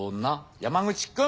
山口君。